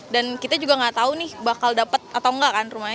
dan kita juga nggak tahu nih bakal dapat atau nggak kan rumahnya